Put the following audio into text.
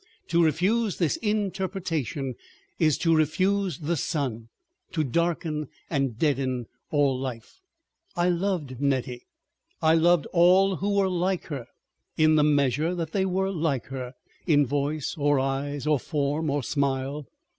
To refuse this interpretation is to refuse the sun, to darken and deaden all life. ... I loved Nettie, I loved all who were like her, in the measure that they were like her, in voice, or eyes, or form, or smile.